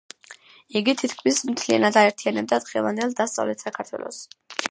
იგი თითქმის მთლიანად აერთიანებდა დღევანდელ დასავლეთ საქართველოს.